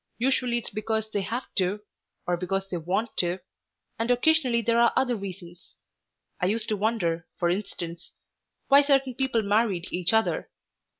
Usually it's because they have to, or because they want to, and occasionally there are other reasons. I used to wonder, for instance, why certain people married each other.